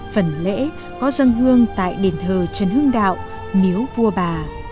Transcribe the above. phần lễ có dân hương tại đền thờ trần hương đạo miếu vua bà